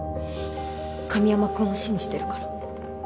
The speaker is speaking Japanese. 神山君を信じてるから